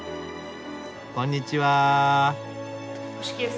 こんにちは。